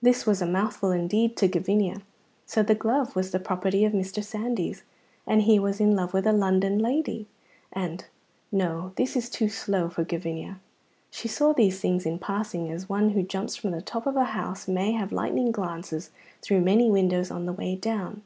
This was a mouthful indeed to Gavinia. So the glove was the property of Mr. Sandys, and he was in love with a London lady, and no, this is too slow for Gavinia; she saw these things in passing, as one who jumps from the top of a house may have lightning glimpses through many windows on the way down.